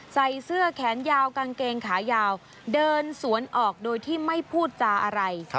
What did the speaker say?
ใส่เสื้อแขนยาวกางเกงขายาวเดินสวนออกโดยที่ไม่พูดจาอะไร